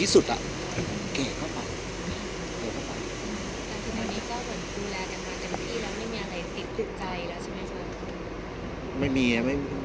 พี่อัดมาสองวันไม่มีใครรู้หรอก